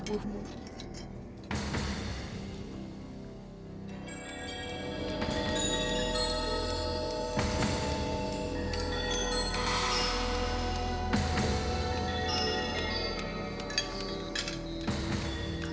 ya udah yuk